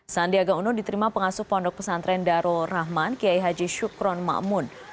sandiaga uno diterima pengasuh pondok pesantren darul rahman kiai haji syukron ma'amun